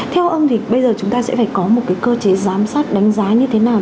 theo ông thì bây giờ chúng ta sẽ phải có một cơ chế giám sát đánh giá như thế nào